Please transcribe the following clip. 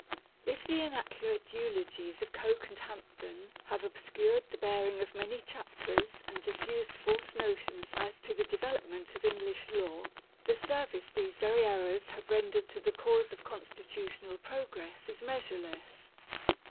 If the inaccurate eulogies of Coke and Hampden have obscured the bearing of many chapters, and diffused false notions as to the development of English law, the service these very errors have rendered to the cause of constitutional progress is measureless.